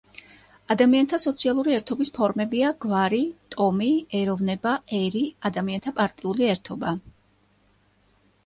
ადამიანთა სოციალური ერთობის ფორმებია გვარი, ტომი, ეროვნება, ერი, ადამიანთა პარტიული ერთობა.